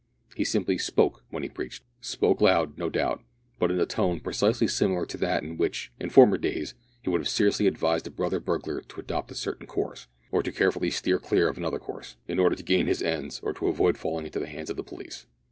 He simply spoke when he preached spoke loud, no doubt, but in a tone precisely similar to that in which, in former days, he would have seriously advised a brother burglar to adopt a certain course, or to carefully steer clear of another course, in order to gain his ends or to avoid falling into the hands of the police.